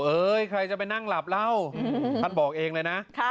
โต๊ะเอ๊ยใครจะไปนั่งหลับเล่าทัดบอกเองเลยนะค่ะ